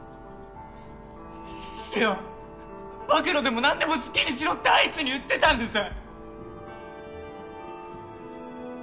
先生は暴露でもなんでも好きにしろってあいつに言ってたんです